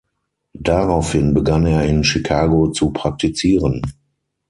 Daraufhin begann er in Chicago zu praktizieren.